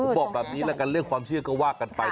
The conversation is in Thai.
ผมบอกแบบนี้แล้วกันเรื่องความเชื่อก็ว่ากันไป